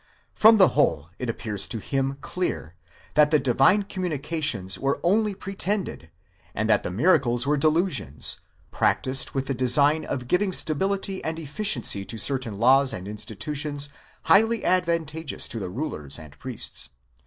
From the whole, it appears to him clear, that the divine communications aere only pretended ; and that the miracles were delusions, practised with the design of giving stability and efficiency to certain laws and institutions highly advantageous to the rulers and priests.